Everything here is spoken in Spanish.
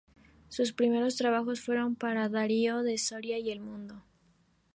Sus primeros trabajos fueron para "Diario de Soria" y "El Mundo".